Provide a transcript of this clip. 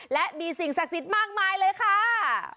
และมีสิ่งศักดิ์สิทธิ์มากมายเลยค่ะ